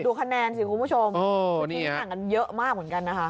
ดูคะแนนสิคุณผู้ชมบางทีห่างกันเยอะมากเหมือนกันนะคะ